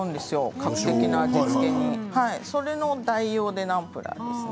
カクテキが味付けにそれの代用でナムプラーですね。